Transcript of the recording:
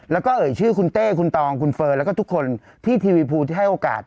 แล้วก็เอ่ยชื่อคุณเต้คุณตองคุณเฟิร์นแล้วก็ทุกคนที่ทีวีภูที่ให้โอกาส